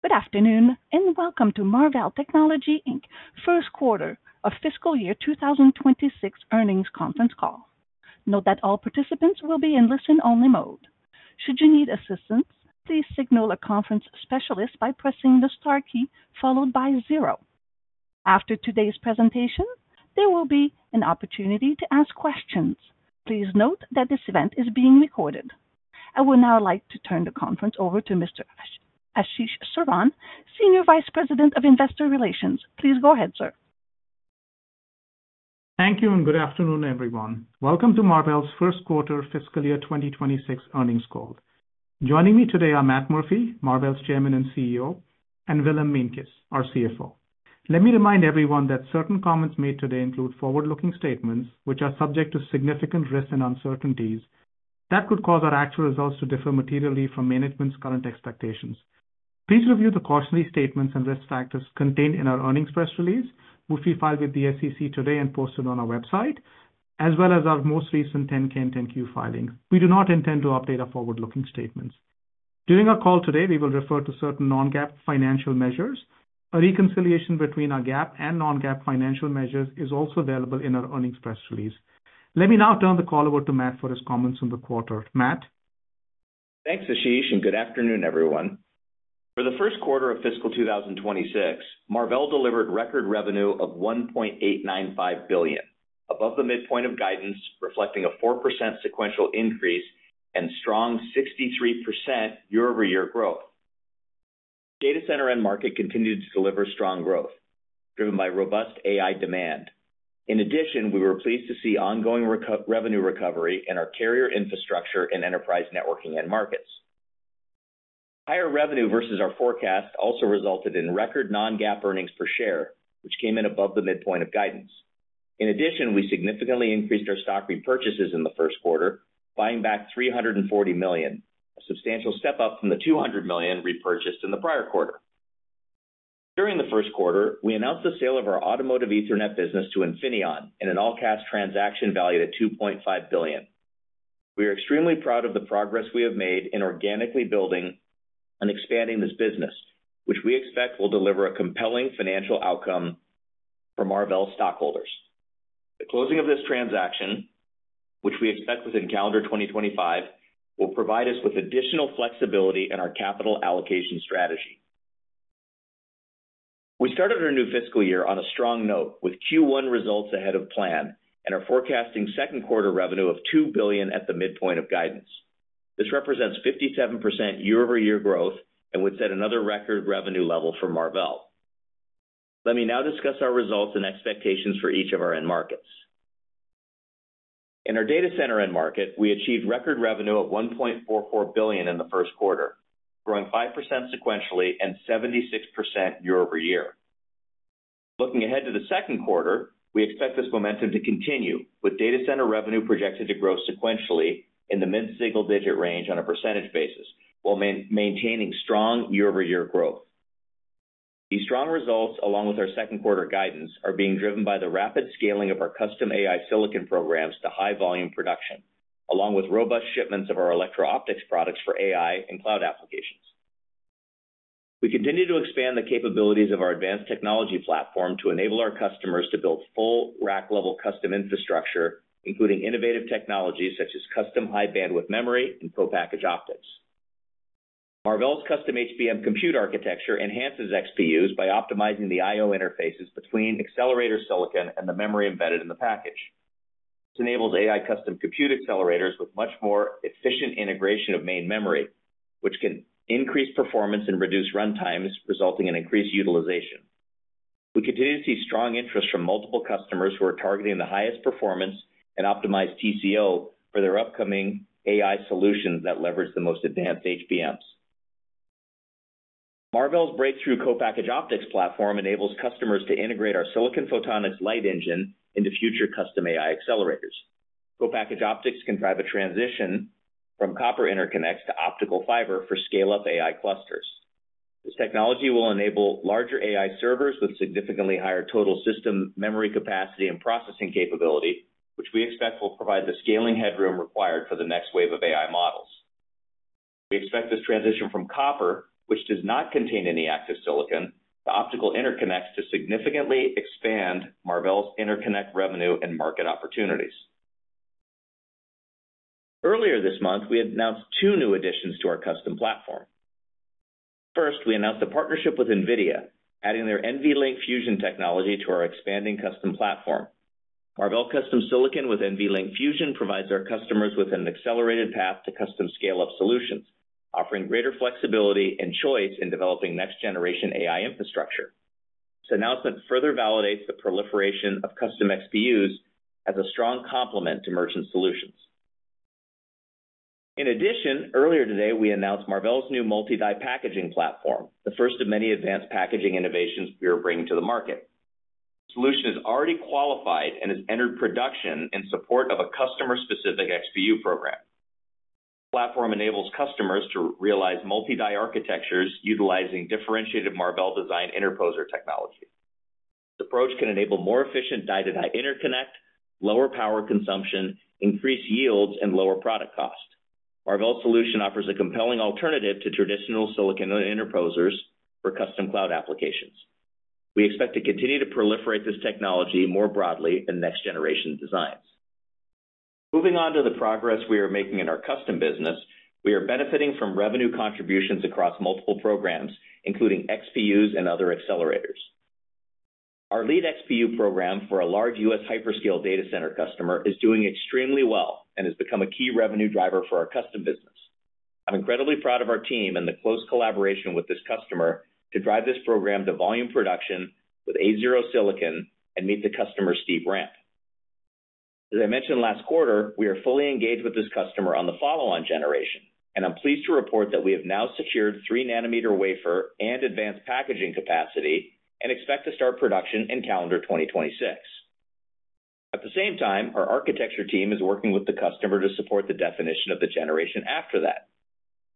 Good afternoon, and welcome to Marvell Technology, Inc. first quarter of fiscal year 2026 earnings conference call. Note that all participants will be in listen-only mode. Should you need assistance, please signal a conference specialist by pressing the star key followed by zero. After today's presentation, there will be an opportunity to ask questions. Please note that this event is being recorded. I would now like to turn the conference over to Mr. Ashish Saran, Senior Vice President of Investor Relations. Please go ahead, sir. Thank you, and good afternoon, everyone. Welcome to Marvell's first quarter fiscal year 2026 earnings call. Joining me today are Matt Murphy, Marvell's Chairman and CEO, and Willem Meintjes, our CFO. Let me remind everyone that certain comments made today include forward-looking statements, which are subject to significant risks and uncertainties that could cause our actual results to differ materially from management's current expectations. Please review the cautionary statements and risk factors contained in our earnings press release, which we filed with the SEC today and posted on our website, as well as our most recent 10-K and 10-Q filings. We do not intend to update our forward-looking statements. During our call today, we will refer to certain non-GAAP financial measures. A reconciliation between our GAAP and non-GAAP financial measures is also available in our earnings press release. Let me now turn the call over to Matt for his comments on the quarter. Matt. Thanks, Ashish, and good afternoon, everyone. For the first quarter of fiscal 2026, Marvell delivered record revenue of $1.895 billion, above the midpoint of guidance, reflecting a 4% sequential increase and strong 63% year-over-year growth. Data center and market continued to deliver strong growth, driven by robust AI demand. In addition, we were pleased to see ongoing revenue recovery in our carrier infrastructure and enterprise networking and markets. Higher revenue versus our forecast also resulted in record non-GAAP earnings per share, which came in above the midpoint of guidance. In addition, we significantly increased our stock repurchases in the first quarter, buying back $340 million, a substantial step up from the $200 million repurchased in the prior quarter. During the first quarter, we announced the sale of our automotive Ethernet business to Infineon in an all-cash transaction valued at $2.5 billion. We are extremely proud of the progress we have made in organically building and expanding this business, which we expect will deliver a compelling financial outcome for Marvell stockholders. The closing of this transaction, which we expect within calendar 2025, will provide us with additional flexibility in our capital allocation strategy. We started our new fiscal year on a strong note, with Q1 results ahead of plan, and are forecasting second quarter revenue of $2 billion at the midpoint of guidance. This represents 57% year-over-year growth and would set another record revenue level for Marvell. Let me now discuss our results and expectations for each of our end markets. In our data center end market, we achieved record revenue of $1.44 billion in the first quarter, growing 5% sequentially and 76% year-over-year. Looking ahead to the second quarter, we expect this momentum to continue, with data center revenue projected to grow sequentially in the mid-single-digit range on a percentage basis, while maintaining strong year-over-year growth. These strong results, along with our second quarter guidance, are being driven by the rapid scaling of our custom AI silicon programs to high-volume production, along with robust shipments of our electro-optics products for AI and cloud applications. We continue to expand the capabilities of our advanced technology platform to enable our customers to build full rack-level custom infrastructure, including innovative technologies such as custom high-bandwidth memory and co-package optics. Marvell's custom HBM compute architecture enhances XPUs by optimizing the I/O interfaces between accelerator silicon and the memory embedded in the package. This enables AI custom compute accelerators with much more efficient integration of main memory, which can increase performance and reduce runtimes, resulting in increased utilization. We continue to see strong interest from multiple customers who are targeting the highest performance and optimized TCO for their upcoming AI solutions that leverage the most advanced HBMs. Marvell's breakthrough co-package optics platform enables customers to integrate our silicon photonics light engine into future custom AI accelerators. Co-package optics can drive a transition from copper interconnects to optical fiber for scale-up AI clusters. This technology will enable larger AI servers with significantly higher total system memory capacity and processing capability, which we expect will provide the scaling headroom required for the next wave of AI models. We expect this transition from copper, which does not contain any active silicon, to optical interconnects to significantly expand Marvell's interconnect revenue and market opportunities. Earlier this month, we announced two new additions to our custom platform. First, we announced a partnership with NVIDIA, adding their NVLink Fusion technology to our expanding custom platform. Marvell custom silicon with NVLink Fusion provides our customers with an accelerated path to custom scale-up solutions, offering greater flexibility and choice in developing next-generation AI infrastructure. This announcement further validates the proliferation of custom XPUs as a strong complement to merchant solutions. In addition, earlier today, we announced Marvell's new multi-die packaging platform, the first of many advanced packaging innovations we are bringing to the market. The solution is already qualified and has entered production in support of a customer-specific XPU program. The platform enables customers to realize multi-die architectures utilizing differentiated Marvell design interposer technology. This approach can enable more efficient die-to-die interconnect, lower power consumption, increase yields, and lower product cost. Marvell's solution offers a compelling alternative to traditional silicon interposers for custom cloud applications. We expect to continue to proliferate this technology more broadly in next-generation designs. Moving on to the progress we are making in our custom business, we are benefiting from revenue contributions across multiple programs, including XPUs and other accelerators. Our lead XPU program for a large U.S. hyperscale data center customer is doing extremely well and has become a key revenue driver for our custom business. I'm incredibly proud of our team and the close collaboration with this customer to drive this program to volume production with A0 silicon and meet the customer's steep ramp. As I mentioned last quarter, we are fully engaged with this customer on the follow-on generation, and I'm pleased to report that we have now secured 3 nm wafer and advanced packaging capacity and expect to start production in calendar 2026. At the same time, our architecture team is working with the customer to support the definition of the generation after that.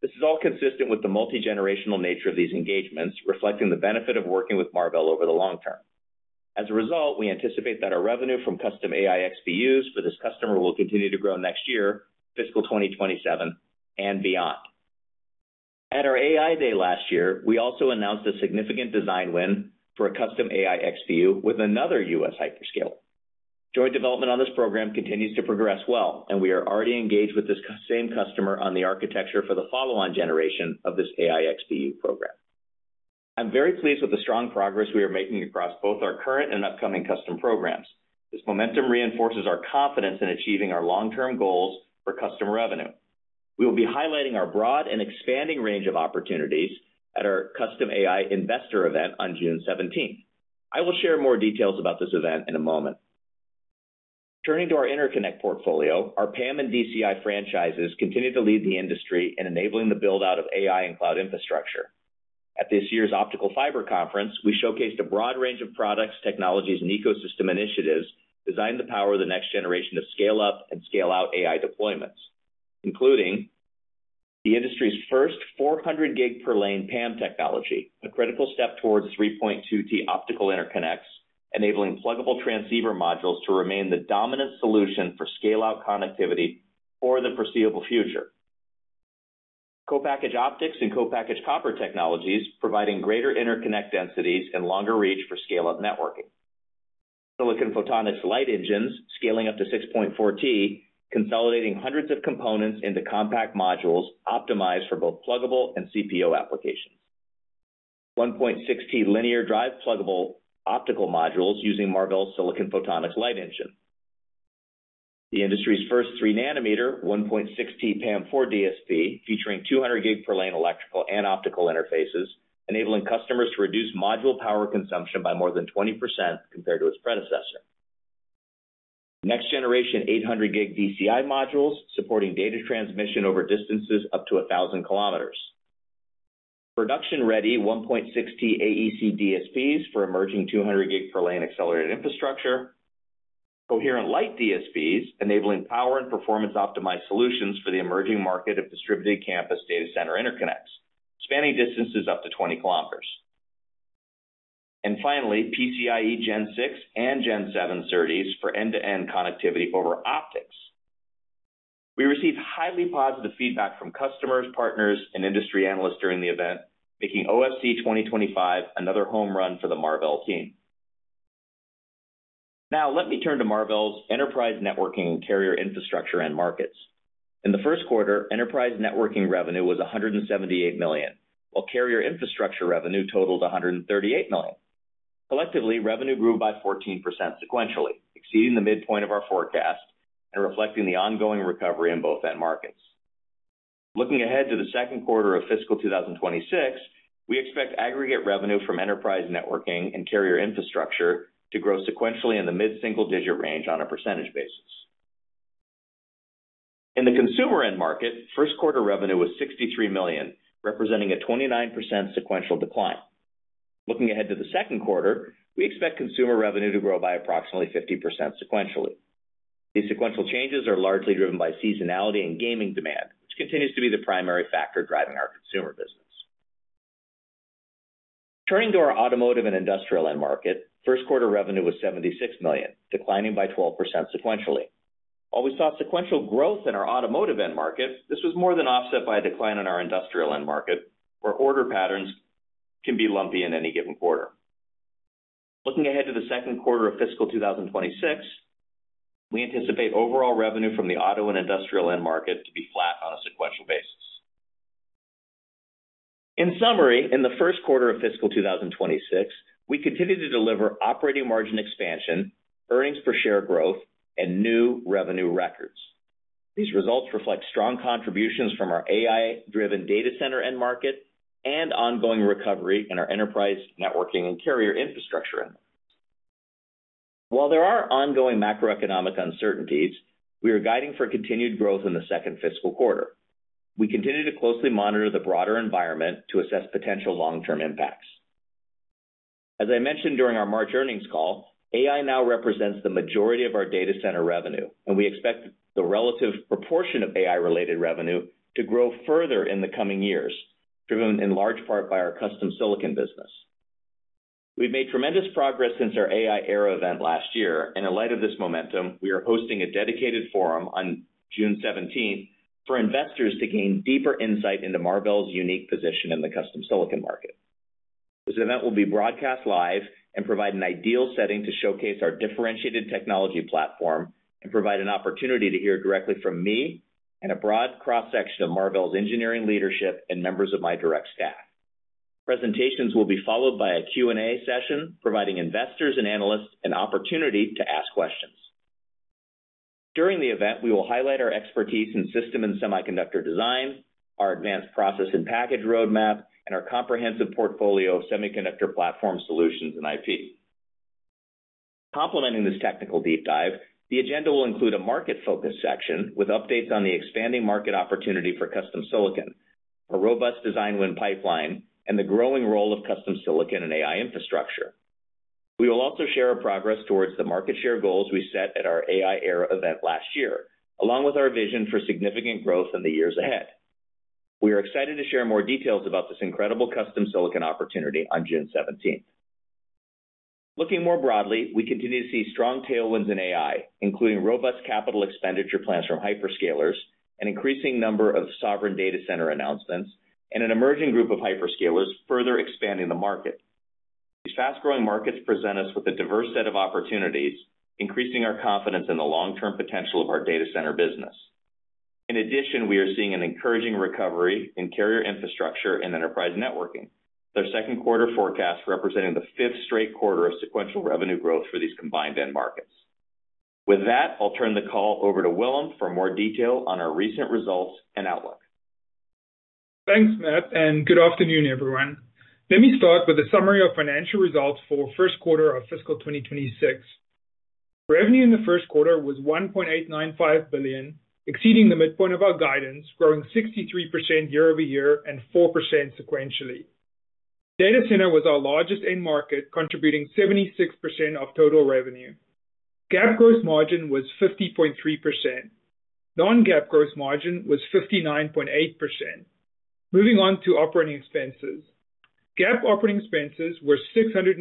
This is all consistent with the multi-generational nature of these engagements, reflecting the benefit of working with Marvell over the long term. As a result, we anticipate that our revenue from custom AI XPUs for this customer will continue to grow next year, fiscal 2027, and beyond. At our AI Day last year, we also announced a significant design win for a custom AI XPU with another U.S. hyperscale. Joint development on this program continues to progress well, and we are already engaged with this same customer on the architecture for the follow-on generation of this AI XPU program. I'm very pleased with the strong progress we are making across both our current and upcoming custom programs. This momentum reinforces our confidence in achieving our long-term goals for customer revenue. We will be highlighting our broad and expanding range of opportunities at our custom AI investor event on June 17th. I will share more details about this event in a moment. Turning to our interconnect portfolio, our PAM and DCI franchises continue to lead the industry in enabling the build-out of AI and cloud infrastructure. At this year's Optical Fiber Conference, we showcased a broad range of products, technologies, and ecosystem initiatives designed to power the next generation of scale-up and scale-out AI deployments, including the industry's first 400 gig per lane PAM technology, a critical step towards 3.2T optical interconnects, enabling pluggable transceiver modules to remain the dominant solution for scale-out connectivity for the foreseeable future. Co-package optics and co-package copper technologies providing greater interconnect densities and longer reach for scale-up networking. Silicon photonics light engines scaling up to 6.4T, consolidating hundreds of components into compact modules optimized for both pluggable and CPO applications. 1.6T linear drive pluggable optical modules using Marvell's silicon photonics light engine. The industry's first 3 nm 1.6T PAM4 DSP, featuring 200 gig per lane electrical and optical interfaces, enabling customers to reduce module power consumption by more than 20% compared to its predecessor. Next-generation 800 gig DCI modules supporting data transmission over distances up to 1,000 km. Production-ready 1.6T AEC DSPs for emerging 200 gig per lane accelerated infrastructure. Coherent light DSPs enabling power and performance-optimized solutions for the emerging market of distributed campus data center interconnects, spanning distances up to 20 km. PCIe Gen 6 and PCIe Gen 7 SerDes for end-to-end connectivity over optics. We received highly positive feedback from customers, partners, and industry analysts during the event, making OFC 2025 another home run for the Marvell team. Now, let me turn to Marvell's enterprise networking and carrier infrastructure and markets. In the first quarter, enterprise networking revenue was $178 million, while carrier infrastructure revenue totaled $138 million. Collectively, revenue grew by 14% sequentially, exceeding the midpoint of our forecast and reflecting the ongoing recovery in both end markets. Looking ahead to the second quarter of fiscal 2026, we expect aggregate revenue from enterprise networking and carrier infrastructure to grow sequentially in the mid-single-digit range on a percentage basis. In the consumer end market, first quarter revenue was $63 million, representing a 29% sequential decline. Looking ahead to the second quarter, we expect consumer revenue to grow by approximately 50% sequentially. These sequential changes are largely driven by seasonality and gaming demand, which continues to be the primary factor driving our consumer business. Turning to our automotive and industrial end market, first quarter revenue was $76 million, declining by 12% sequentially. While we saw sequential growth in our automotive end market, this was more than offset by a decline in our industrial end market, where order patterns can be lumpy in any given quarter. Looking ahead to the second quarter of fiscal 2026, we anticipate overall revenue from the auto and industrial end market to be flat on a sequential basis. In summary, in the first quarter of fiscal 2026, we continue to deliver operating margin expansion, earnings per share growth, and new revenue records. These results reflect strong contributions from our AI-driven data center end market and ongoing recovery in our enterprise networking and carrier infrastructure end markets. While there are ongoing macroeconomic uncertainties, we are guiding for continued growth in the second fiscal quarter. We continue to closely monitor the broader environment to assess potential long-term impacts. As I mentioned during our March earnings call, AI now represents the majority of our data center revenue, and we expect the relative proportion of AI-related revenue to grow further in the coming years, driven in large part by our custom silicon business. We have made tremendous progress since our AI era event last year, and in light of this momentum, we are hosting a dedicated forum on June 17th for investors to gain deeper insight into Marvell's unique position in the custom silicon market. This event will be broadcast live and provide an ideal setting to showcase our differentiated technology platform and provide an opportunity to hear directly from me and a broad cross-section of Marvell's engineering leadership and members of my direct staff. Presentations will be followed by a Q&A session, providing investors and analysts an opportunity to ask questions. During the event, we will highlight our expertise in system and semiconductor design, our advanced process and package roadmap, and our comprehensive portfolio of semiconductor platform solutions and IP. Complementing this technical deep dive, the agenda will include a market-focused section with updates on the expanding market opportunity for custom silicon, a robust design win pipeline, and the growing role of custom silicon and AI infrastructure. We will also share our progress towards the market share goals we set at our AI era event last year, along with our vision for significant growth in the years ahead. We are excited to share more details about this incredible custom silicon opportunity on June 17th. Looking more broadly, we continue to see strong tailwinds in AI, including robust capital expenditure plans from hyperscalers, an increasing number of sovereign data center announcements, and an emerging group of hyperscalers further expanding the market. These fast-growing markets present us with a diverse set of opportunities, increasing our confidence in the long-term potential of our data center business. In addition, we are seeing an encouraging recovery in carrier infrastructure and enterprise networking, their second quarter forecast representing the fifth straight quarter of sequential revenue growth for these combined end markets. With that, I'll turn the call over to Willem for more detail on our recent results and outlook. Thanks, Matt, and good afternoon, everyone. Let me start with a summary of financial results for the first quarter of fiscal 2026. Revenue in the first quarter was $1.895 billion, exceeding the midpoint of our guidance, growing 63% year over year and 4% sequentially. Data center was our largest end market, contributing 76% of total revenue. GAAP gross margin was 50.3%. Non-GAAP gross margin was 59.8%. Moving on to operating expenses. GAAP operating expenses were $682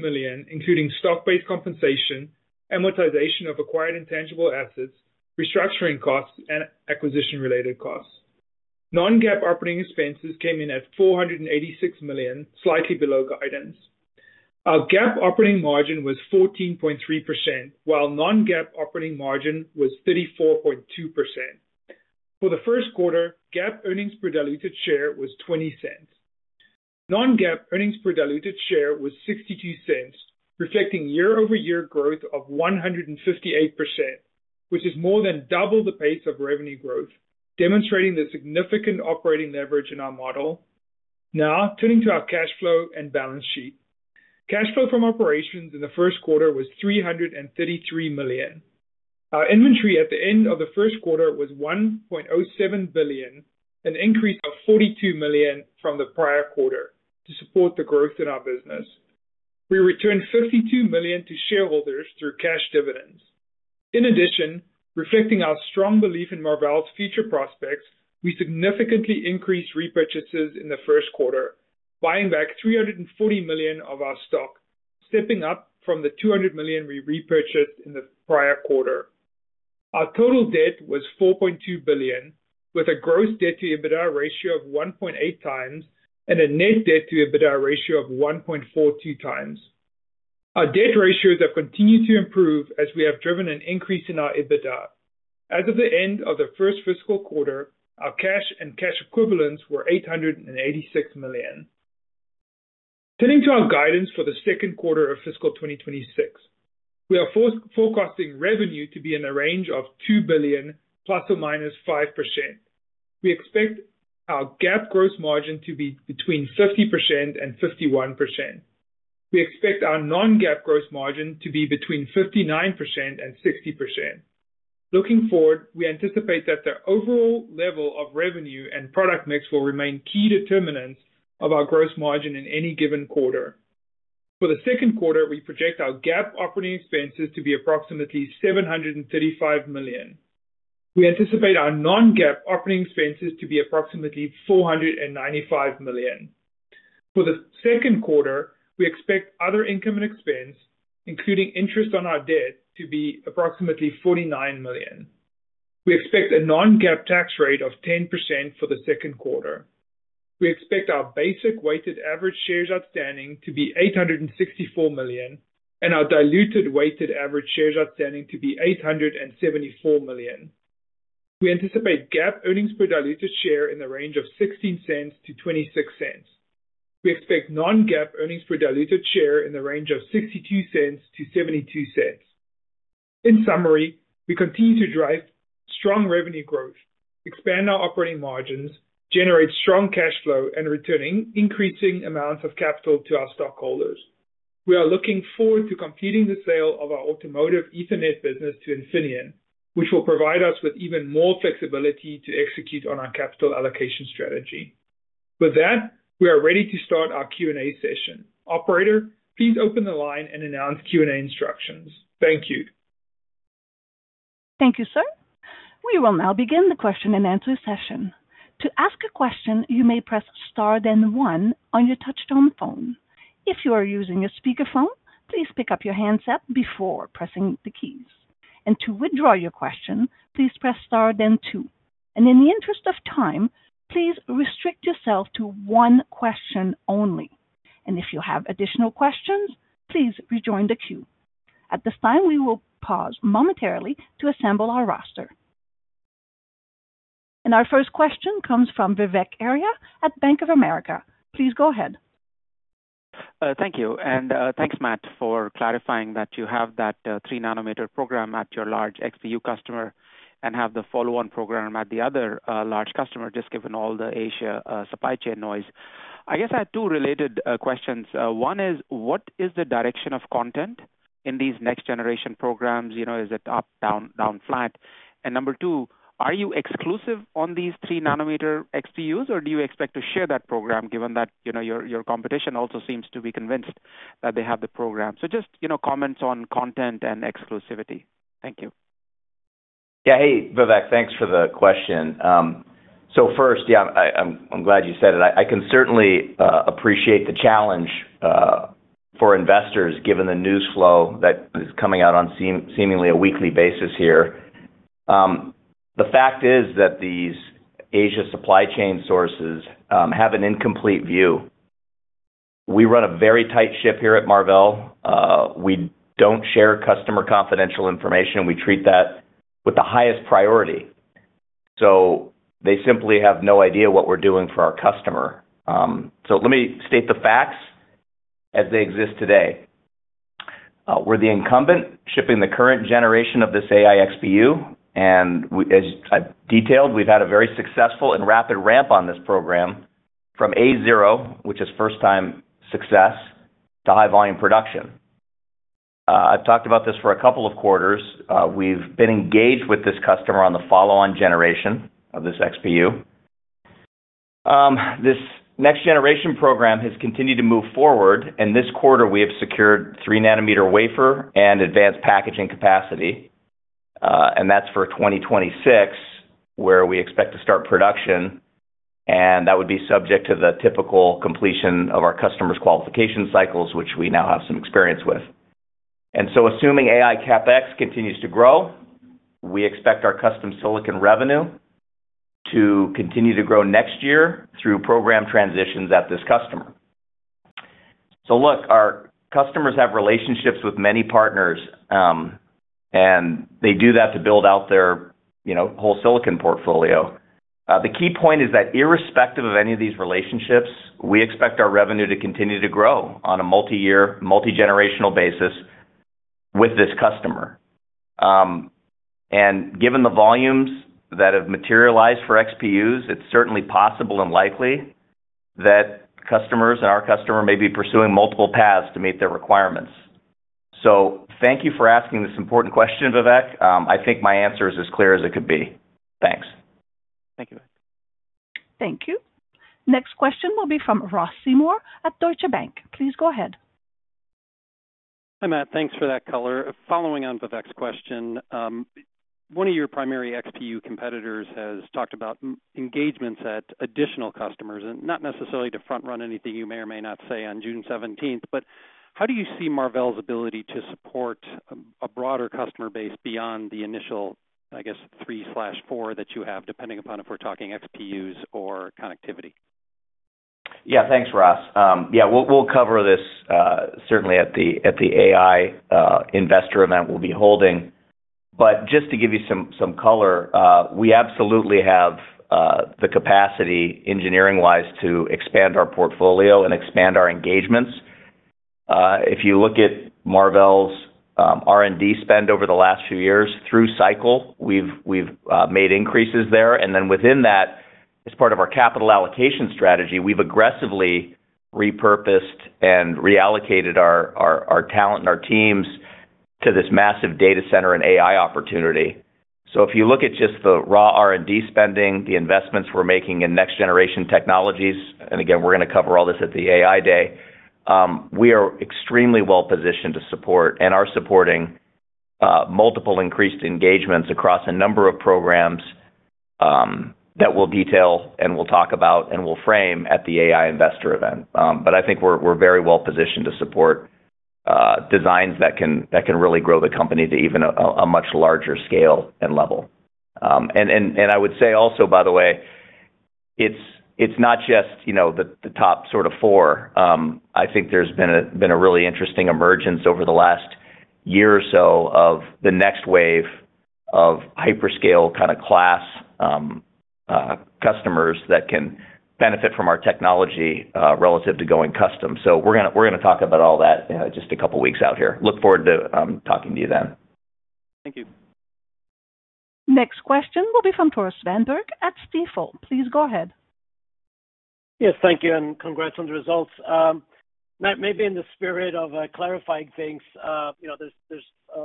million, including stock-based compensation, amortization of acquired intangible assets, restructuring costs, and acquisition-related costs. Non-GAAP operating expenses came in at $486 million, slightly below guidance. Our GAAP operating margin was 14.3%, while Non-GAAP operating margin was 34.2%. For the first quarter, GAAP earnings per diluted share was $0.20. Non-GAAP earnings per diluted share was $0.62, reflecting year-over-year growth of 158%, which is more than double the pace of revenue growth, demonstrating the significant operating leverage in our model. Now, turning to our cash flow and balance sheet. Cash flow from operations in the first quarter was $333 million. Our inventory at the end of the first quarter was $1.07 billion, an increase of $42 million from the prior quarter to support the growth in our business. We returned $52 million to shareholders through cash dividends. In addition, reflecting our strong belief in Marvell's future prospects, we significantly increased repurchases in the first quarter, buying back $340 million of our stock, stepping up from the $200 million we repurchased in the prior quarter. Our total debt was $4.2 billion, with a gross debt-to-EBITDA ratio of 1.8 times and a net debt-to-EBITDA ratio of 1.42 times. Our debt ratios have continued to improve as we have driven an increase in our EBITDA. As of the end of the first fiscal quarter, our cash and cash equivalents were $886 million. Turning to our guidance for the second quarter of fiscal 2026, we are forecasting revenue to be in the range of $2 billion, + or -5%. We expect our GAAP gross margin to be between 50% and 51%. We expect our Non-GAAP gross margin to be between 59% and 60%. Looking forward, we anticipate that the overall level of revenue and product mix will remain key determinants of our gross margin in any given quarter. For the second quarter, we project our GAAP operating expenses to be approximately $735 million. We anticipate our Non-GAAP operating expenses to be approximately $495 million. For the second quarter, we expect other income and expense, including interest on our debt, to be approximately $49 million. We expect a Non-GAAP tax rate of 10% for the second quarter. We expect our basic weighted average shares outstanding to be $864 million and our diluted weighted average shares outstanding to be $874 million. We anticipate GAAP earnings per diluted share in the range of $0.16-$0.26. We expect Non-GAAP earnings per diluted share in the range of $0.62-$0.72. In summary, we continue to drive strong revenue growth, expand our operating margins, generate strong cash flow, and return increasing amounts of capital to our stockholders. We are looking forward to completing the sale of our automotive Ethernet business to Infineon, which will provide us with even more flexibility to execute on our capital allocation strategy. With that, we are ready to start our Q&A session. Operator, please open the line and announce Q&A instructions. Thank you. Thank you, sir. We will now begin the question and answer session. To ask a question, you may press star, then one on your touch-tone phone. If you are using a speakerphone, please pick up your handset before pressing the keys. To withdraw your question, please press star, then two. In the interest of time, please restrict yourself to one question only. If you have additional questions, please rejoin the queue. At this time, we will pause momentarily to assemble our roster. Our first question comes from Vivek Arya at Bank of America. Please go ahead. Thank you. Thanks, Matt, for clarifying that you have that 3 nm program at your large XPU customer and have the follow-on program at the other large customer, just given all the Asia supply chain noise. I guess I have two related questions. One is, what is the direction of content in these next-generation programs? Is it up, down, down flat? And number two, are you exclusive on these three-nanometer XPUs, or do you expect to share that program, given that your competition also seems to be convinced that they have the program? So just comments on content and exclusivity. Thank you. Yeah, hey, Vivek, thanks for the question. First, yeah, I'm glad you said it. I can certainly appreciate the challenge for investors, given the news flow that is coming out on seemingly a weekly basis here. The fact is that these Asia supply chain sources have an incomplete view. We run a very tight ship here at Marvell. We don't share customer confidential information, and we treat that with the highest priority. They simply have no idea what we're doing for our customer. Let me state the facts as they exist today. We're the incumbent shipping the current generation of this AI XPU. As I've detailed, we've had a very successful and rapid ramp on this program from A0, which is first-time success, to high-volume production. I've talked about this for a couple of quarters. We've been engaged with this customer on the follow-on generation of this XPU. This next-generation program has continued to move forward. In this quarter, we have secured three-nanometer wafer and advanced packaging capacity. That is for 2026, where we expect to start production. That would be subject to the typical completion of our customer's qualification cycles, which we now have some experience with. Assuming AI CapEx continues to grow, we expect our custom silicon revenue to continue to grow next year through program transitions at this customer. Look, our customers have relationships with many partners, and they do that to build out their whole silicon portfolio. The key point is that irrespective of any of these relationships, we expect our revenue to continue to grow on a multi-year, multi-generational basis with this customer. Given the volumes that have materialized for XPUs, it is certainly possible and likely that customers and our customer may be pursuing multiple paths to meet their requirements. Thank you for asking this important question, Vivek. I think my answer is as clear as it could be. Thanks. Thank you, Matt. Thank you. Next question will be from Ross Seymore at Deutsche Bank. Please go ahead. Hi, Matt. Thanks for that color. Following on Vivek's question, one of your primary XPU competitors has talked about engagements at additional customers, and not necessarily to front-run anything you may or may not say on June 17th. How do you see Marvell's ability to support a broader customer base beyond the initial, I guess, three/four that you have, depending upon if we're talking XPUs or connectivity? Yeah, thanks, Ross. Yeah, we'll cover this certainly at the AI investor event we'll be holding. Just to give you some color, we absolutely have the capacity engineering-wise to expand our portfolio and expand our engagements. If you look at Marvell's R&D spend over the last few years through cycle, we've made increases there. Within that, as part of our capital allocation strategy, we've aggressively repurposed and reallocated our talent and our teams to this massive data center and AI opportunity. If you look at just the raw R&D spending, the investments we're making in next-generation technologies, and again, we're going to cover all this at the AI day, we are extremely well-positioned to support and are supporting multiple increased engagements across a number of programs that we'll detail and we'll talk about and we'll frame at the AI investor event. I think we're very well-positioned to support designs that can really grow the company to even a much larger scale and level. I would say also, by the way, it's not just the top sort of four. I think there's been a really interesting emergence over the last year or so of the next wave of hyperscale kind of class customers that can benefit from our technology relative to going custom. We're going to talk about all that just a couple of weeks out here. Look forward to talking to you then. Thank you. Next question will be from Torsten Umbenhauer at Stifel. Please go ahead. Yes, thank you, and congrats on the results. Matt, maybe in the spirit of clarifying things, there's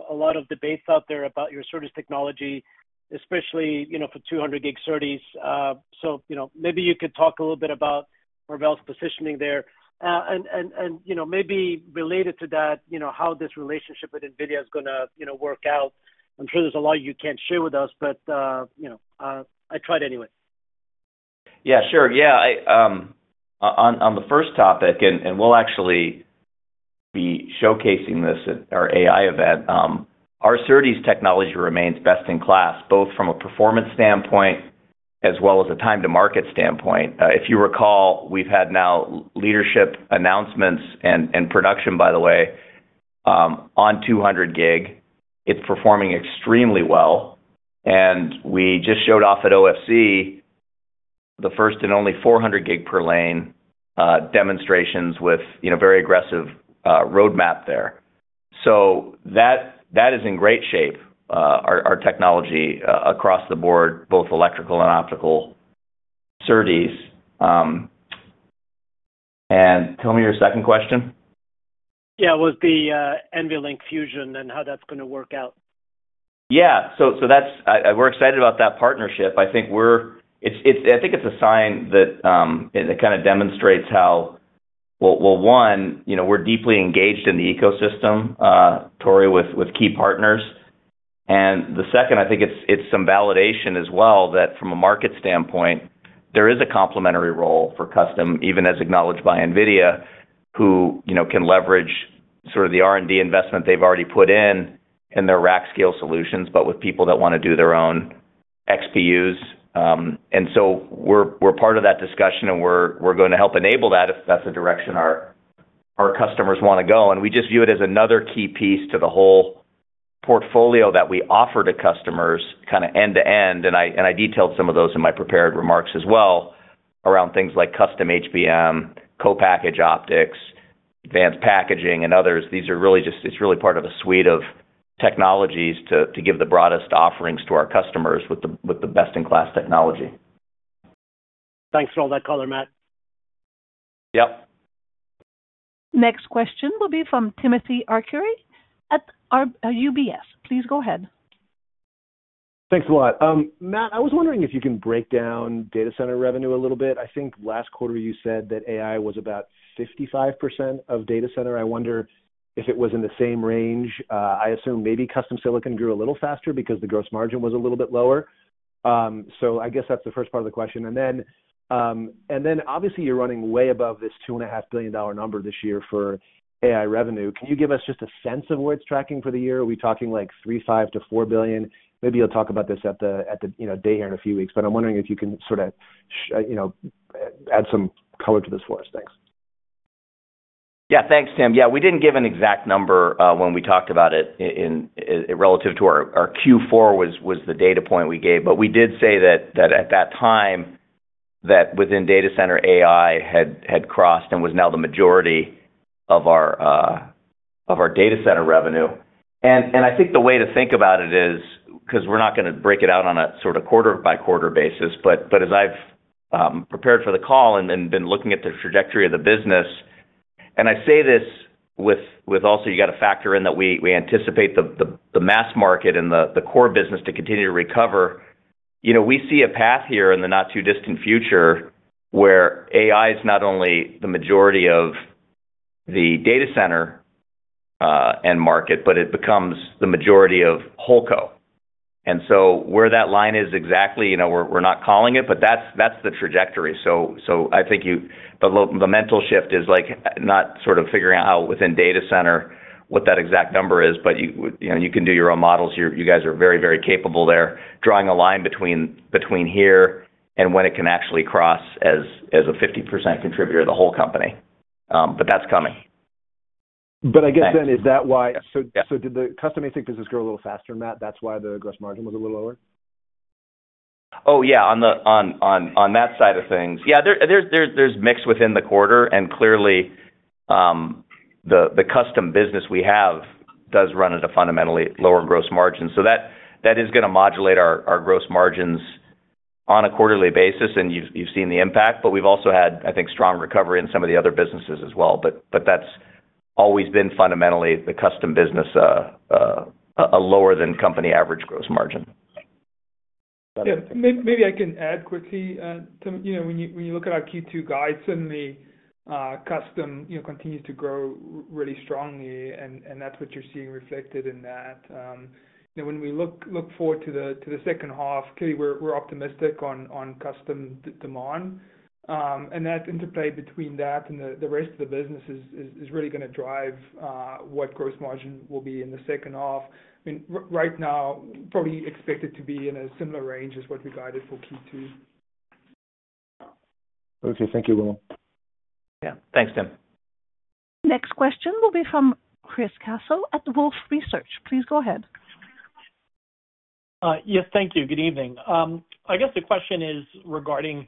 a lot of debate out there about your SerDes technology, especially for 200 gig SerDes. Maybe you could talk a little bit about Marvell's positioning there. Maybe related to that, how this relationship with NVIDIA is going to work out. I'm sure there's a lot you can't share with us, but I tried anyway. Yeah, sure. Yeah, on the first topic, and we'll actually be showcasing this at our AI event, our SerDes technology remains best in class, both from a performance standpoint as well as a time-to-market standpoint. If you recall, we've had now leadership announcements and production, by the way, on 200 gig. It's performing extremely well. We just showed off at OFC the first and only 400 gig per lane demonstrations with a very aggressive roadmap there. That is in great shape, our technology across the board, both electrical and optical SerDes. Tell me your second question. Yeah, with the NVLink Fusion and how that's going to work out. Yeah. We're excited about that partnership. I think it's a sign that kind of demonstrates how, one, we're deeply engaged in the ecosystem, Tori, with key partners. The second, I think it's some validation as well that from a market standpoint, there is a complementary role for custom, even as acknowledged by NVIDIA, who can leverage sort of the R&D investment they've already put in in their rack scale solutions, but with people that want to do their own XPUs. We're part of that discussion, and we're going to help enable that if that's the direction our customers want to go. We just view it as another key piece to the whole portfolio that we offer to customers kind of end-to-end. I detailed some of those in my prepared remarks as well around things like custom HBM, co-package optics, advanced packaging, and others. These are really just, it's really part of a suite of technologies to give the broadest offerings to our customers with the best-in-class technology. Thanks for all that color, Matt. Yep. Next question will be from Timothy Arcuri at UBS. Please go ahead. Thanks a lot. Matt, I was wondering if you can break down data center revenue a little bit. I think last quarter you said that AI was about 55% of data center. I wonder if it was in the same range. I assume maybe custom silicon grew a little faster because the gross margin was a little bit lower. I guess that's the first part of the question. Obviously you're running way above this $2.5 billion number this year for AI revenue. Can you give us just a sense of where it's tracking for the year? Are we talking like $3 billion, $5 billion, to $4 billion? Maybe you'll talk about this at the day here in a few weeks, but I'm wondering if you can sort of add some color to this for us. Thanks. Yeah, thanks, Tim. Yeah, we didn't give an exact number when we talked about it relative to our Q4 was the data point we gave. We did say that at that time that within data center, AI had crossed and was now the majority of our data center revenue. I think the way to think about it is, because we're not going to break it out on a sort of quarter-by-quarter basis, but as I've prepared for the call and been looking at the trajectory of the business, and I say this with also you got to factor in that we anticipate the mass market and the core business to continue to recover. We see a path here in the not too distant future where AI is not only the majority of the data center and market, but it becomes the majority of whole co. Where that line is exactly, we're not calling it, but that's the trajectory. I think the mental shift is not sort of figuring out how within data center what that exact number is, but you can do your own models. You guys are very, very capable there, drawing a line between here and when it can actually cross as a 50% contributor of the whole company. That's coming. I guess then, is that why? Did the custom basic business grow a little faster, Matt? That's why the gross margin was a little lower? Oh, yeah, on that side of things. Yeah, there's mix within the quarter. Clearly, the custom business we have does run at a fundamentally lower gross margin. That is going to modulate our gross margins on a quarterly basis, and you've seen the impact. We've also had, I think, strong recovery in some of the other businesses as well. That has always been fundamentally the custom business, a lower than company average gross margin. Yeah, maybe I can add quickly. When you look at our Q2 guide, certainly custom continues to grow really strongly, and that is what you are seeing reflected in that. When we look forward to the second half, clearly we are optimistic on custom demand. That interplay between that and the rest of the business is really going to drive what gross margin will be in the second half. I mean, right now, probably expected to be in a similar range as what we guided for Q2. Okay, thank you, Willem. Yeah, thanks, Tim. Next question will be from Chris Caso at Wolfe Research. Please go ahead. Yes, thank you. Good evening. I guess the question is regarding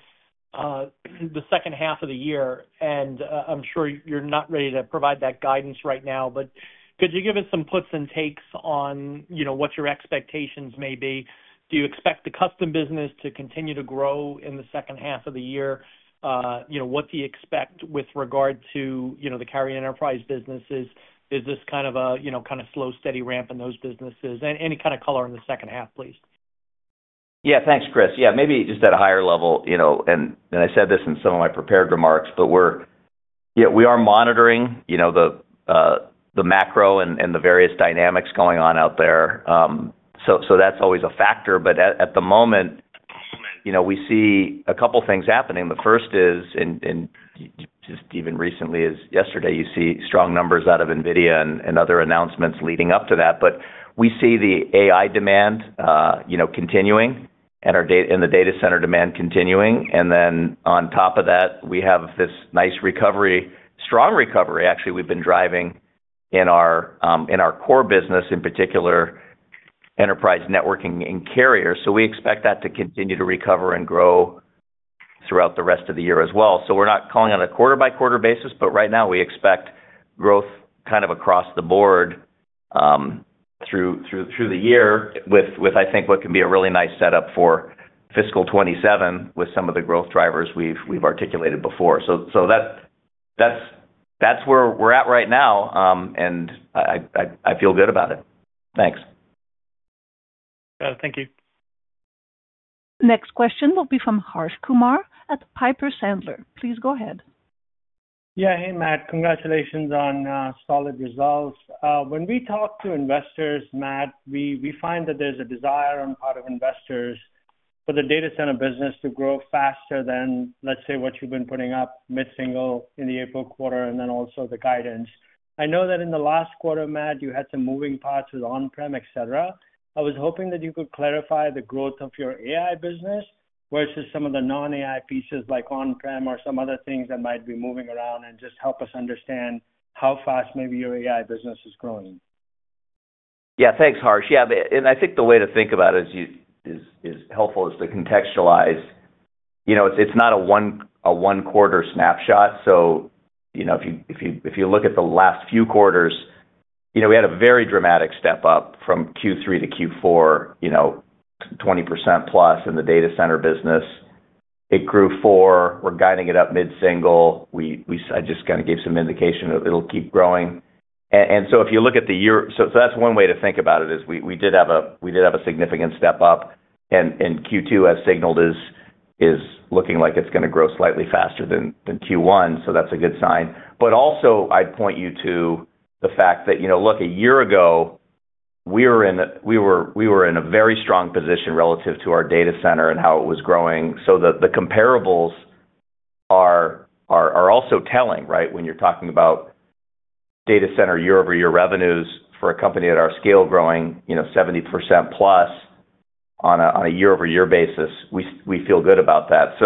the second half of the year. I'm sure you're not ready to provide that guidance right now, but could you give us some puts and takes on what your expectations may be? Do you expect the custom business to continue to grow in the second half of the year? What do you expect with regard to the carrying enterprise businesses? Is this kind of a kind of slow, steady ramp in those businesses? Any kind of color in the second half, please. Yeah, thanks, Chris. Maybe just at a higher level. I said this in some of my prepared remarks, but we are monitoring the macro and the various dynamics going on out there. That's always a factor. At the moment, we see a couple of things happening. The first is, and just even recently as yesterday, you see strong numbers out of NVIDIA and other announcements leading up to that. We see the AI demand continuing and the data center demand continuing. On top of that, we have this nice recovery, strong recovery, actually, we've been driving in our core business, in particular, enterprise networking and carriers. We expect that to continue to recover and grow throughout the rest of the year as well. We're not calling on a quarter-by-quarter basis, but right now we expect growth kind of across the board through the year with, I think, what can be a really nice setup for fiscal 2027 with some of the growth drivers we've articulated before. That's where we're at right now, and I feel good about it. Thanks. Thank you. Next question will be from Harsh Kumar at Piper Sandler. Please go ahead. Yeah, hey, Matt. Congratulations on solid results. When we talk to investors, Matt, we find that there's a desire on the part of investors for the data center business to grow faster than, let's say, what you've been putting up mid-single in the April quarter and then also the guidance. I know that in the last quarter, Matt, you had some moving parts with on-prem, etc. I was hoping that you could clarify the growth of your AI business versus some of the non-AI pieces like on-prem or some other things that might be moving around and just help us understand how fast maybe your AI business is growing. Yeah, thanks, Harsh. Yeah, and I think the way to think about it is helpful is to contextualize. It's not a one-quarter snapshot. If you look at the last few quarters, we had a very dramatic step up from Q3 to Q4, 20%+ in the data center business. It grew four. We're guiding it up mid-single. I just kind of gave some indication that it'll keep growing. If you look at the year, that's one way to think about it is we did have a significant step up. Q2, as signaled, is looking like it's going to grow slightly faster than Q1. That's a good sign. I'd point you to the fact that, look, a year ago, we were in a very strong position relative to our data center and how it was growing. The comparables are also telling, right? When you're talking about data center year-over-year revenues for a company at our scale growing 70%+ on a year-over-year basis, we feel good about that.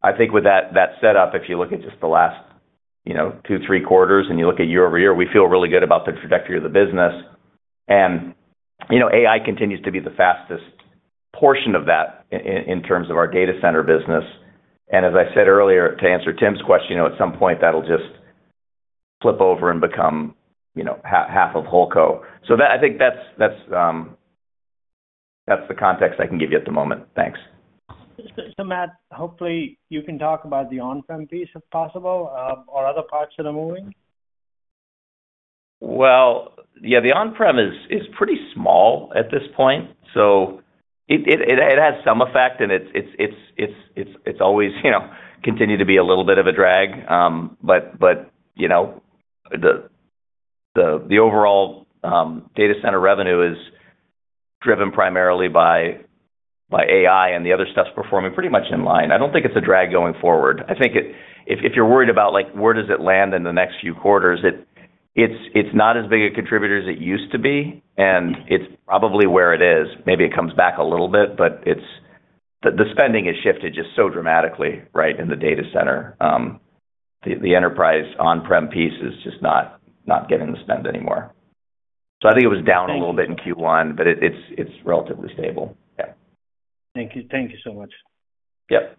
I think with that setup, if you look at just the last two, three quarters and you look at year-over-year, we feel really good about the trajectory of the business. AI continues to be the fastest portion of that in terms of our data center business. As I said earlier, to answer Tim's question, at some point, that'll just flip over and become half of whole co. I think that's the context I can give you at the moment. Thanks. Matt, hopefully, you can talk about the on-prem piece if possible or other parts that are moving. Yeah, the on-prem is pretty small at this point. It has some effect, and it's always continued to be a little bit of a drag. The overall data center revenue is driven primarily by AI, and the other stuff's performing pretty much in line. I don't think it's a drag going forward. If you're worried about where does it land in the next few quarters, it's not as big a contributor as it used to be. It's probably where it is. Maybe it comes back a little bit, but the spending has shifted just so dramatically, right, in the data center. The enterprise on-prem piece is just not getting the spend anymore. I think it was down a little bit in Q1, but it's relatively stable. Yeah. Thank you. Thank you so much. Yep.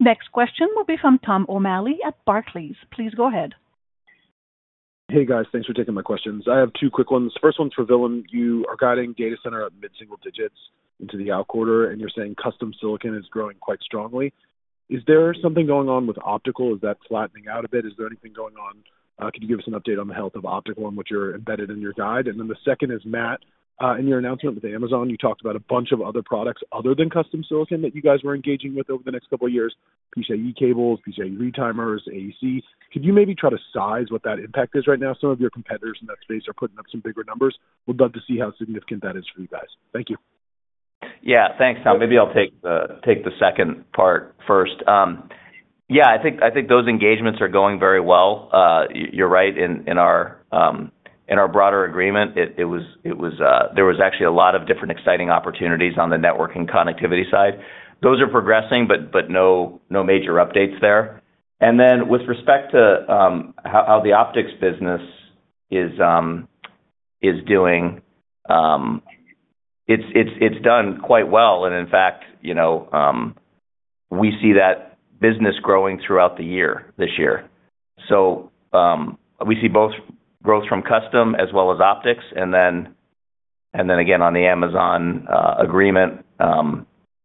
Next question will be from Tom O'Malley at Barclays. Please go ahead. Hey, guys. Thanks for taking my questions. I have two quick ones. First one's for Willem. You are guiding data center at mid-single digits into the alcorter, and you're saying custom silicon is growing quite strongly. Is there something going on with optical? Is that flattening out a bit? Is there anything going on? Could you give us an update on the health of optical and what you're embedded in your guide? And then the second is, Matt, in your announcement with Amazon, you talked about a bunch of other products other than custom silicon that you guys were engaging with over the next couple of years, PCIe cables, PCIe retimers, AEC. Could you maybe try to size what that impact is right now? Some of your competitors in that space are putting up some bigger numbers. We'd love to see how significant that is for you guys. Thank you. Yeah, thanks, Tom. Maybe I'll take the second part first. Yeah, I think those engagements are going very well. You're right in our broader agreement. There was actually a lot of different exciting opportunities on the networking connectivity side. Those are progressing, but no major updates there. With respect to how the optics business is doing, it's done quite well. In fact, we see that business growing throughout the year this year. We see both growth from custom as well as optics, and again on the Amazon agreement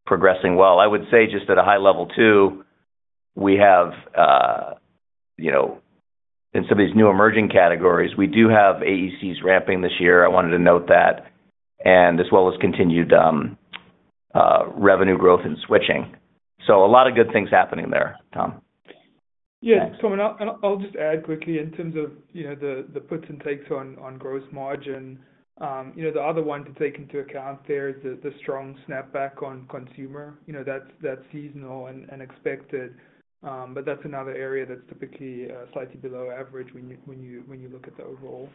progressing well. I would say just at a high level too, we have in some of these new emerging categories, we do have AECs ramping this year. I wanted to note that, as well as continued revenue growth in switching. A lot of good things happening there, Tom. Yeah, coming up. I'll just add quickly in terms of the puts and takes on gross margin. The other one to take into account there is the strong snapback on consumer. That's seasonal and expected. That's another area that's typically slightly below average when you look at the overall.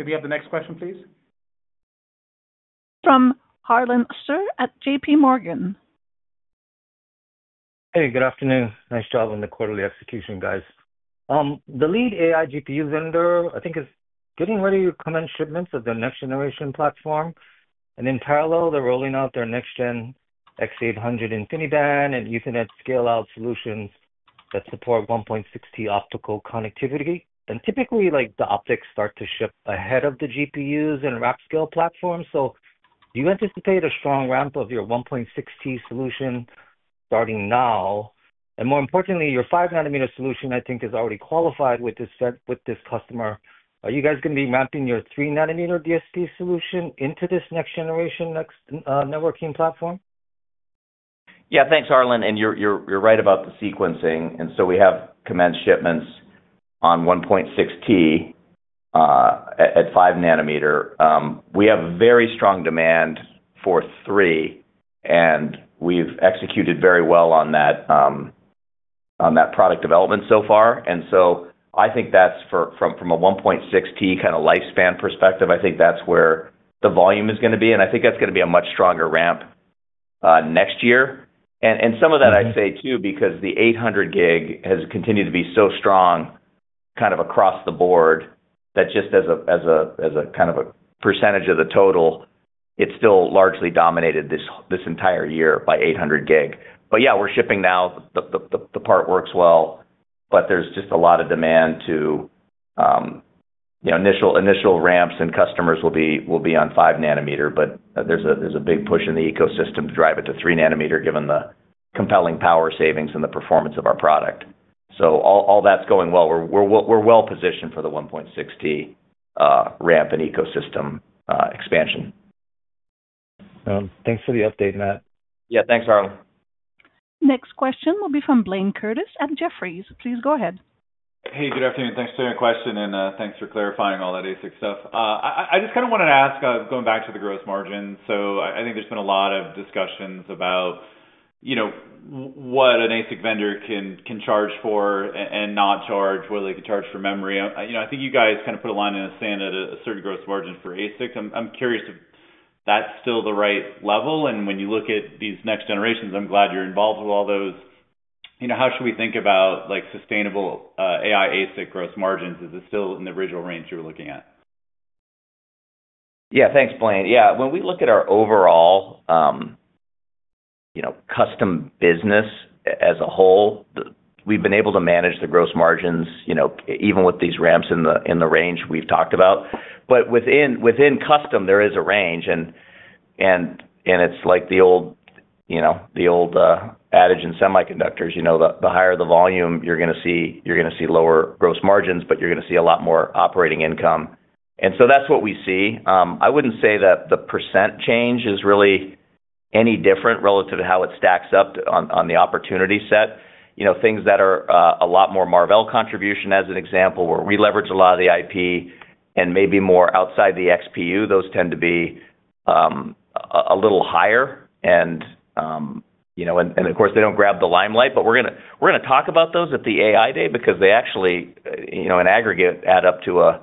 Maybe you have the next question, please? From Harlan Sur at JPMorgan. Hey, good afternoon. Nice job on the quarterly execution, guys. The lead AI GPU vendor, I think, is getting ready to commence shipments of their next-generation platform. In parallel, they're rolling out their next-gen X800 InfiniBand and Ethernet scale-out solutions that support 1.6T optical connectivity. Typically, the optics start to ship ahead of the GPUs and RAP scale platforms. Do you anticipate a strong ramp of your 1.6T solution starting now? More importantly, your 5 nm solution, I think, is already qualified with this customer. Are you guys going to be ramping your 3 nm DSP solution into this next-generation networking platform? Yeah, thanks, Harlan. You're right about the sequencing. We have commenced shipments on 1.6T at 5 nm. We have very strong demand for three, and we've executed very well on that product development so far. I think from a 1.6T kind of lifespan perspective, that's where the volume is going to be. I think that's going to be a much stronger ramp next year. Some of that, I say too, because the 800 gig has continued to be so strong kind of across the board that just as a percentage of the total, it's still largely dominated this entire year by 800 gig. Yeah, we're shipping now. The part works well, but there's just a lot of demand to initial ramps, and customers will be on 5 nm. There's a big push in the ecosystem to drive it to 3 nm given the compelling power savings and the performance of our product. All that's going well. We're well positioned for the 1.6T ramp and ecosystem expansion. Thanks for the update, Matt. Yeah, thanks, Harlan. Next question will be from Blayne Curtis at Jefferies. Please go ahead. Hey, good afternoon. Thanks for your question, and thanks for clarifying all that ASIC stuff. I just kind of wanted to ask, going back to the gross margin. I think there's been a lot of discussions about what an ASIC vendor can charge for and not charge, whether they can charge for memory. I think you guys kind of put a line in the sand at a certain gross margin for ASIC. I'm curious if that's still the right level. When you look at these next generations, I'm glad you're involved with all those. How should we think about sustainable AI ASIC gross margins? Is it still in the original range you were looking at? Yeah, thanks, Blayne. Yeah, when we look at our overall custom business as a whole, we've been able to manage the gross margins even with these ramps in the range we've talked about. Within custom, there is a range. It's like the old adage in semiconductors. The higher the volume, you're going to see lower gross margins, but you're going to see a lot more operating income. That's what we see. I wouldn't say that the percent change is really any different relative to how it stacks up on the opportunity set. Things that are a lot more Marvell contribution, as an example, where we leverage a lot of the IP and maybe more outside the XPU, those tend to be a little higher. Of course, they don't grab the limelight, but we're going to talk about those at the AI day because they actually, in aggregate, add up to a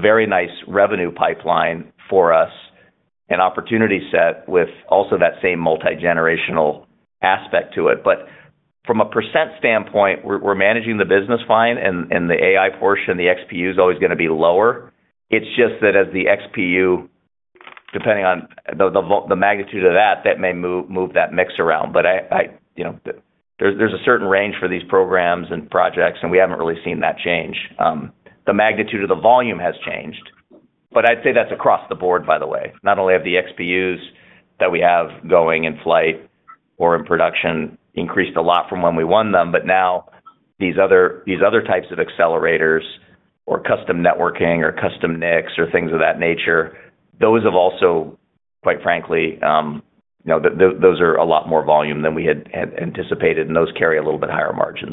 very nice revenue pipeline for us and opportunity set with also that same multi-generational aspect to it. From a percent standpoint, we're managing the business fine, and the AI portion, the XPU is always going to be lower. It's just that as the XPU, depending on the magnitude of that, that may move that mix around. There is a certain range for these programs and projects, and we have not really seen that change. The magnitude of the volume has changed. I would say that is across the board, by the way. Not only have the XPUs that we have going in flight or in production increased a lot from when we won them, but now these other types of accelerators or custom networking or custom NICs or things of that nature, those have also, quite frankly, those are a lot more volume than we had anticipated, and those carry a little bit higher margin.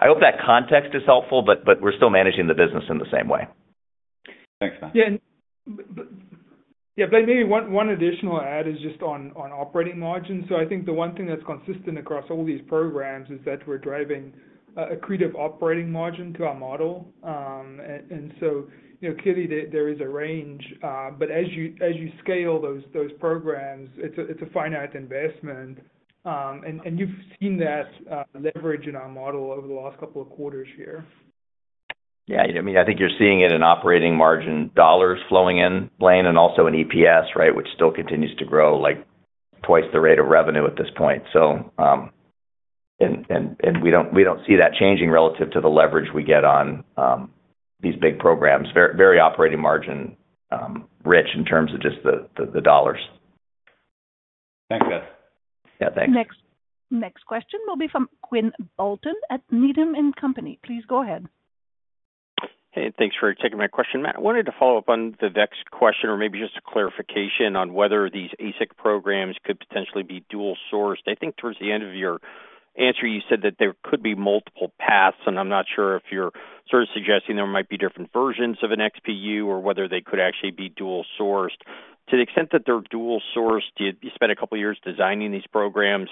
I hope that context is helpful, but we are still managing the business in the same way. Thanks, Matt. Yeah, Blayne, maybe one additional add is just on operating margin. I think the one thing that is consistent across all these programs is that we are driving a creative operating margin to our model. Clearly, there is a range. But as you scale those programs, it's a finite investment. You've seen that leverage in our model over the last couple of quarters here. Yeah, I mean, I think you're seeing it in operating margin dollars flowing in, Blayne, and also in EPS, right, which still continues to grow twice the rate of revenue at this point. We do not see that changing relative to the leverage we get on these big programs. Very operating margin rich in terms of just the dollars. Thanks, guys. Yeah, thanks. Next question will be from Quinn Bolton at Needham & Company. Please go ahead. Hey, thanks for taking my question, Matt. I wanted to follow up on the next question or maybe just a clarification on whether these ASIC programs could potentially be dual-sourced. I think towards the end of your answer, you said that there could be multiple paths, and I'm not sure if you're sort of suggesting there might be different versions of an XPU or whether they could actually be dual-sourced. To the extent that they're dual-sourced, you spent a couple of years designing these programs.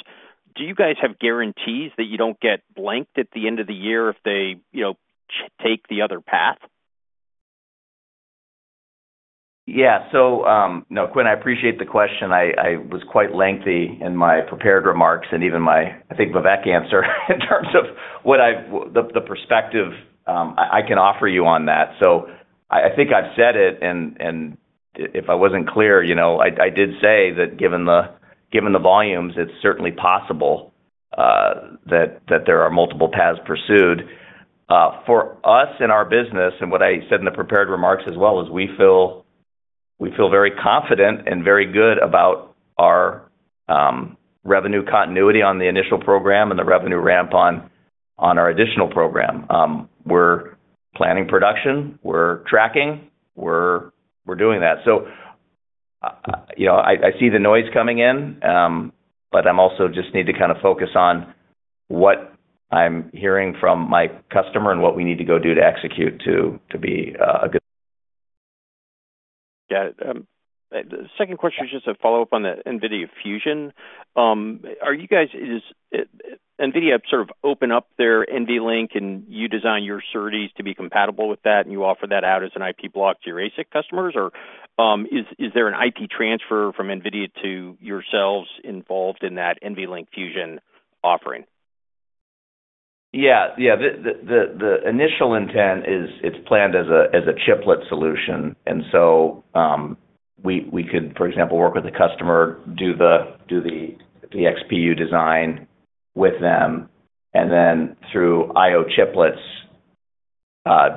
Do you guys have guarantees that you don't get blanked at the end of the year if they take the other path? Yeah. No, Quinn, I appreciate the question. I was quite lengthy in my prepared remarks and even my, I think, Vivek answer in terms of the perspective I can offer you on that. I think I've said it, and if I wasn't clear, I did say that given the volumes, it's certainly possible that there are multiple paths pursued. For us in our business, and what I said in the prepared remarks as well, is we feel very confident and very good about our revenue continuity on the initial program and the revenue ramp on our additional program. We're planning production. We're tracking. We're doing that. I see the noise coming in, but I also just need to kind of focus on what I'm hearing from my customer and what we need to go do to execute to be good. Yeah. Second question is just a follow-up on the NVIDIA Fusion. Are you guys, NVIDIA, sort of open up their NVLink, and you design your SerDes to be compatible with that, and you offer that out as an IP block to your ASIC customers? Or is there an IP transfer from NVIDIA to yourselves involved in that NVLink Fusion offering? Yeah. Yeah. The initial intent is it's planned as a chiplet solution. For example, we could work with the customer, do the XPU design with them, and then through I/O chiplets,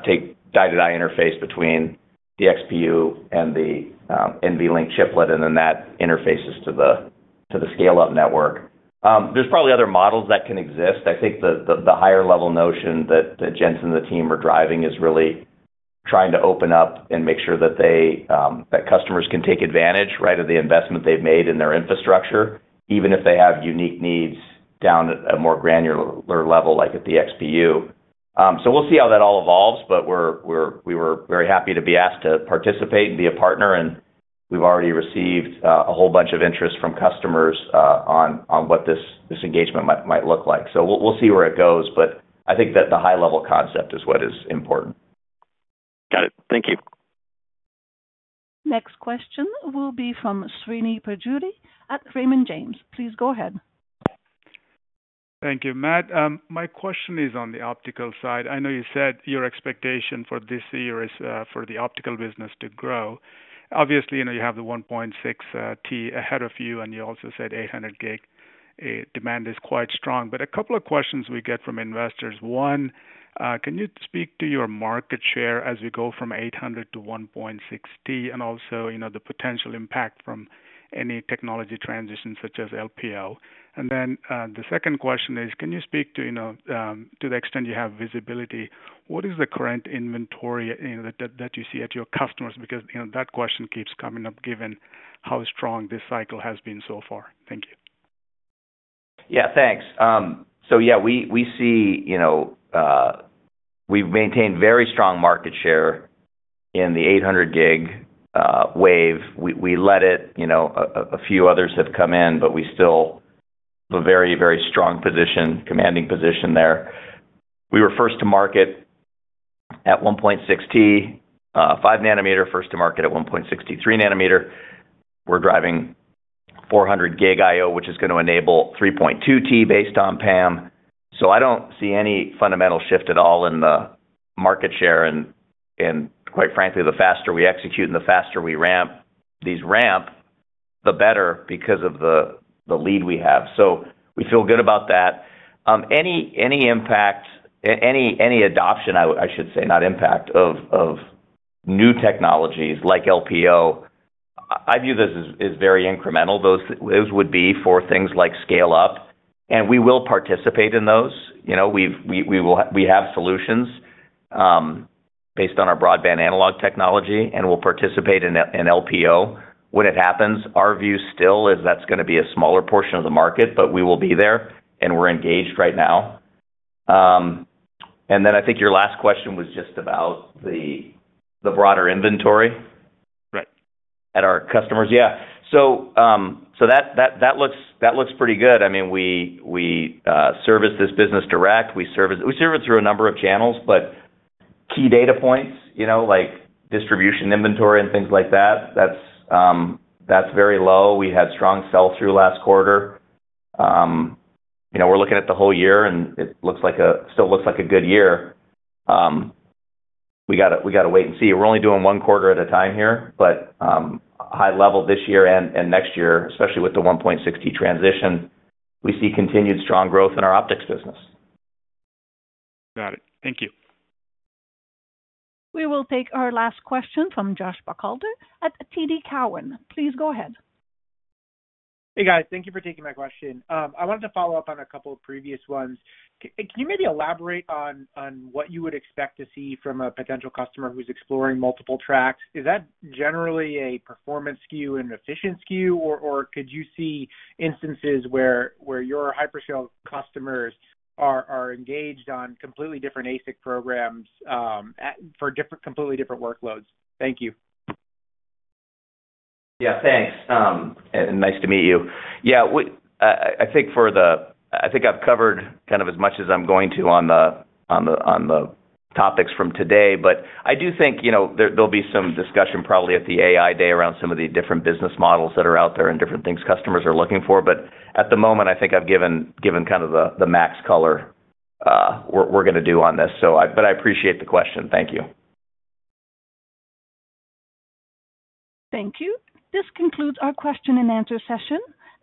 take die-to-die interface between the XPU and the NVLink chiplet, and then that interfaces to the scale-out network. There are probably other models that can exist. I think the higher-level notion that Jensen and the team are driving is really trying to open up and make sure that customers can take advantage of the investment they've made in their infrastructure, even if they have unique needs down at a more granular level like at the XPU. We will see how that all evolves, but we were very happy to be asked to participate and be a partner. We've already received a whole bunch of interest from customers on what this engagement might look like. We'll see where it goes, but I think that the high-level concept is what is important. Got it. Thank you. Next question will be from Srini Pajjuri at Raymond James. Please go ahead. Thank you, Matt. My question is on the optical side. I know you said your expectation for this year is for the optical business to grow. Obviously, you have the 1.6T ahead of you, and you also said 800 gig demand is quite strong. A couple of questions we get from investors. One, can you speak to your market share as we go from 800 gig to 1.6T and also the potential impact from any technology transition such as LPO? The second question is, can you speak to the extent you have visibility, what is the current inventory that you see at your customers? Because that question keeps coming up given how strong this cycle has been so far. Thank you. Yeah, thanks. Yeah, we see we've maintained very strong market share in the 800 gig wave. We led it. A few others have come in, but we still have a very, very strong commanding position there. We were first to market at 1.6T, 5 nm, first to market at 1.6T 3 nm. We're driving 400 gig I/O, which is going to enable 3.2T based on PAM. I don't see any fundamental shift at all in the market share. Quite frankly, the faster we execute and the faster we ramp, these ramp, the better because of the lead we have. We feel good about that. Any adoption, I should say, not impact of new technologies like LPO, I view this as very incremental. Those would be for things like scale-up, and we will participate in those. We have solutions based on our broadband analog technology, and we'll participate in LPO. When it happens, our view still is that's going to be a smaller portion of the market, but we will be there, and we're engaged right now. I think your last question was just about the broader inventory at our customers. Yeah. That looks pretty good. I mean, we service this business direct. We serve it through a number of channels, but key data points like distribution inventory and things like that, that's very low. We had strong sell-through last quarter. We're looking at the whole year, and it still looks like a good year. We got to wait and see. We're only doing one quarter at a time here, but high level this year and next year, especially with the 1.6T transition, we see continued strong growth in our optics business. Got it. Thank you. We will take our last question from Josh Bixler at TD Cowen. Please go ahead. Hey, guys. Thank you for taking my question. I wanted to follow up on a couple of previous ones. Can you maybe elaborate on what you would expect to see from a potential customer who's exploring multiple tracks? Is that generally a performance skew and efficient skew, or could you see instances where your hyperscale customers are engaged on completely different ASIC programs for completely different workloads? Thank you. Yeah, thanks. And nice to meet you. Yeah. I think I've covered kind of as much as I'm going to on the topics from today, but I do think there'll be some discussion probably at the AI day around some of the different business models that are out there and different things customers are looking for. At the moment, I think I've given kind of the max color we're going to do on this. I appreciate the question. Thank you. Thank you. This concludes our question and answer session.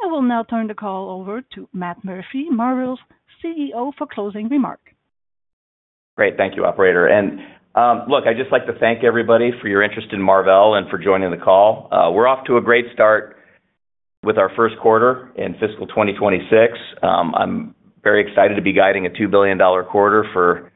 I will now turn the call over to Matt Murphy, Marvell's CEO, for closing remark. Great. Thank you, operator. I'd just like to thank everybody for your interest in Marvell and for joining the call. We're off to a great start with our first quarter in fiscal 2026. I'm very excited to be guiding a $2 billion quarter for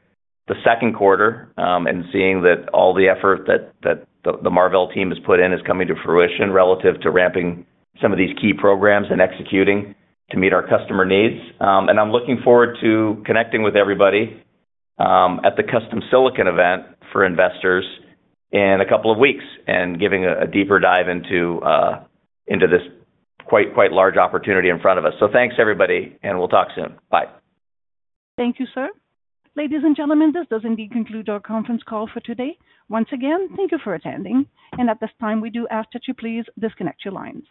the second quarter and seeing that all the effort that the Marvell team has put in is coming to fruition relative to ramping some of these key programs and executing to meet our customer needs. I'm looking forward to connecting with everybody at the Custom Silicon event for investors in a couple of weeks and giving a deeper dive into this quite large opportunity in front of us. Thanks, everybody, and we'll talk soon. Bye. Thank you, sir. Ladies and gentlemen, this does indeed conclude our conference call for today. Once again, thank you for attending. At this time, we do ask that you please disconnect your lines.